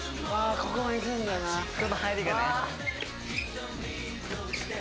ここの入りがね。